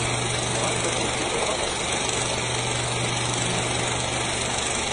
Tebɣamt ad akent-t-id ɣṛeɣ?